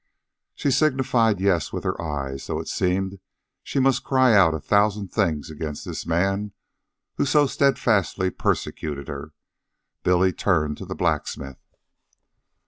She signified yes with her eyes, though it seemed she must cry out a thousand things against this man who so steadfastly persecuted her. Billy turned to the blacksmith.